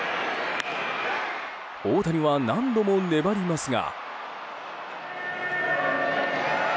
大谷は何度も粘りますが。